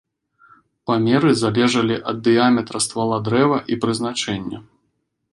Памеры залежалі ад дыяметра ствала дрэва і прызначэння.